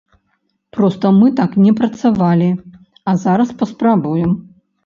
Проста мы так не працавалі, а зараз паспрабуем.